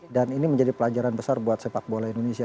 dan ini menjadi pelajaran besar buat sepak bola dunia